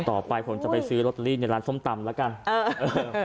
ต่อไปผมจะไปซื้อลอตเตอรี่ในร้านส้มตำแล้วกัน